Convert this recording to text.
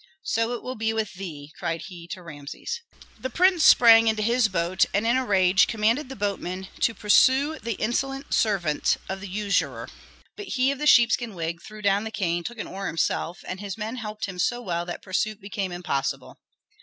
"So it will be with thee!" cried he to Rameses. The prince sprang into his boat and in a rage commanded the boatman to pursue the insolent servant of the usurer. But he of the sheepskin wig threw down the cane, took an oar himself, and his men helped him so well that pursuit became impossible.